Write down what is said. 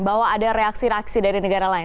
bahwa ada reaksi reaksi dari negara lain